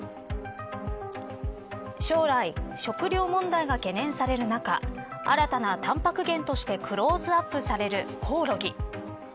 将来、食糧問題が懸念される中新たなタンパク源としてクローズアップされるコオロギ。